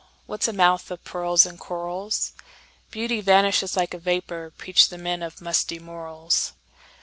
What 's a mouth of pearls and corals? Beauty vanishes like a vapor, Preach the men of musty morals!